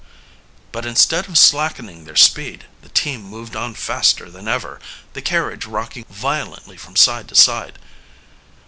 But instead of slackening their speed, the team moved on faster than ever, the carriage rocking violently from side to side.